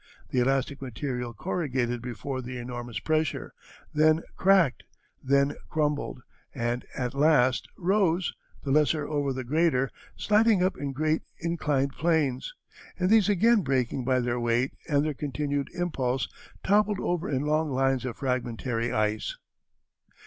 The elastic material corrugated before the enormous pressure, then cracked, then crumbled, and at last rose, the lesser over the greater, sliding up in great inclined planes, and these again, breaking by their weight and their continued impulse, toppled over in long lines of fragmentary ice."